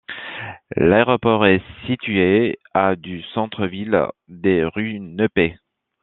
L'aéroport est situé à du centre-ville d'Eirunepé.